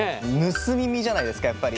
「盗み見」じゃないですかやっぱり。